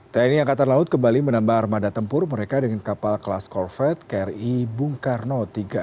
tni angkatan laut kembali menambah armada tempur mereka dengan kapal kelas corvet kri bung karno tiga ratus dua